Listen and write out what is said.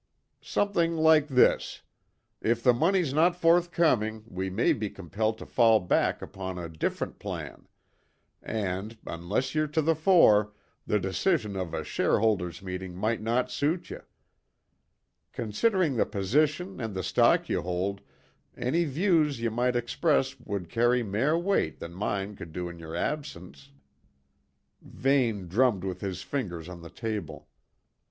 "Something like this: If the money's no forthcoming, we may be compelled to fall back upon a different plan, and, unless ye're to the fore, the decision of a shareholders' meeting might not suit ye. Considering the position and the stock ye hold, any views ye might express would carry mair weight than mine could do in your absence." Vane drummed with his fingers on the table.